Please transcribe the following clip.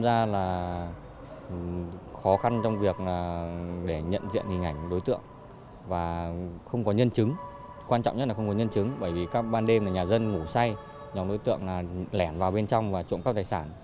và không có nhân chứng quan trọng nhất là không có nhân chứng bởi vì các ban đêm nhà dân ngủ say nhóm đối tượng lẻn vào bên trong và trộm cắp tài sản